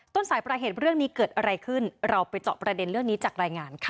ต้นสายปลายเหตุเรื่องนี้เกิดอะไรขึ้นเราไปเจาะประเด็นเรื่องนี้จากรายงานค่ะ